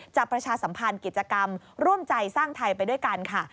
ประชาสัมพันธ์กิจกรรมร่วมใจสร้างไทยไปด้วยกันค่ะ